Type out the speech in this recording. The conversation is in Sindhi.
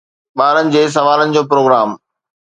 ٻارن جي سوالن جو پروگرام